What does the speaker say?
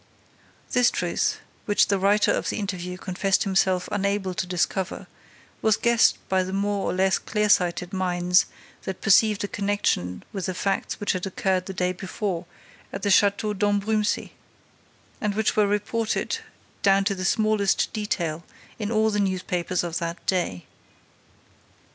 This truth, which the writer of the interview confessed himself unable to discover, was guessed by the more or less clear sighted minds that perceived a connection with the facts which had occurred the day before at the Château d'Ambrumésy, and which were reported, down to the smallest detail, in all the newspapers of that day.